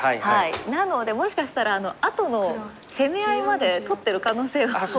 なのでもしかしたらあとの攻め合いまで取ってる可能性もありますよね。